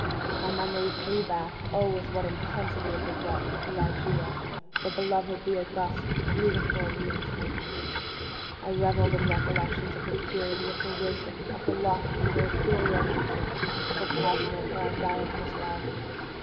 My memory flew back (oh, with what intensity of regret!) to Ligeia, the beloved, the august, the beautiful, the entombed. I reveled in recollections of her purity, of her wisdom, of her lofty her ethereal nature, of her passionate, her idolatrous love.